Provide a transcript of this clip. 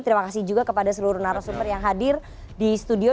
terima kasih juga kepada seluruh narasumber yang hadir di studio